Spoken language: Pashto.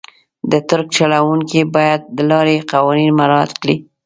د ټرک چلونکي باید د لارې قوانین مراعات کړي.